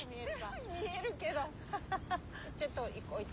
見えるけどちょっと置いて。